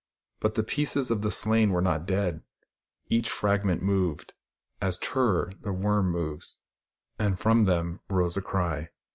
But the pieces of the slain were not dead. Each fragment moved, as Tur ror, the worm, moves ; and from them rose a cry.